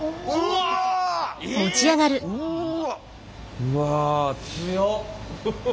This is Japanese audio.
うわ強っ！